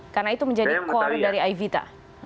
karena itu menjadi core dari aivita